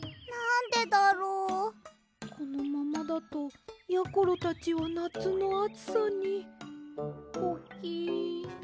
このままだとやころたちはなつのあつさにポキン！